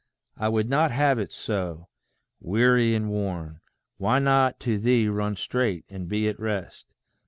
I would not have it so. Weary and worn, Why not to thee run straight, and be at rest?